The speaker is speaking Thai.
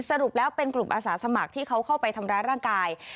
สรุปแล้วเป็นกลุ่มอาสาสมัครที่เขาเข้าไปทำร้ายร่างกาย